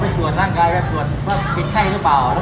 ตอนที่สุดมันกลายเป็นสิ่งที่ไม่มีความคิดว่า